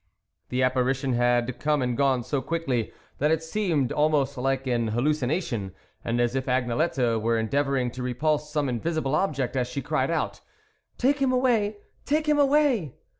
The apparition had come and gone so quickly that it seemed almost like an hallucina tion, and as if Agnelette were endeavour ing to repulse some invisible object as she cried out, " Take him away ! take him away